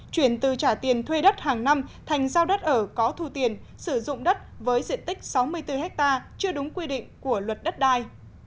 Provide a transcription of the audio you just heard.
chuyển từ trả tiền thuê đất hàng năm thành giao đất ở có thu tiền sử dụng đất với diện tích sáu mươi bốn ha chưa đúng quy định của luật đất đai